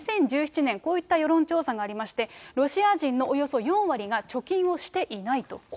２０１７年、こういった世論調査がありまして、ロシア人のおよそ４割が貯金をしていないと。